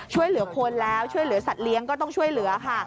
ช่วยเหลือคนแล้วช่วยเหลือสัตว์เลี้ยงก็ต้องช่วยเหลือค่ะ